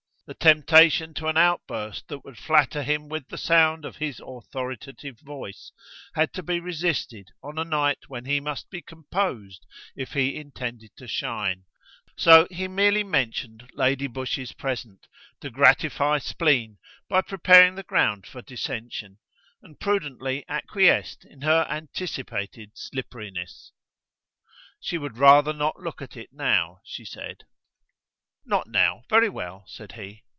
The temptation to an outburst that would flatter him with the sound of his authoritative voice had to be resisted on a night when he must be composed if he intended to shine, so he merely mentioned Lady Busshe's present, to gratify spleen by preparing the ground for dissension, and prudently acquiesced in her anticipated slipperiness. She would rather not look at it now, she said. "Not now; very well," said he.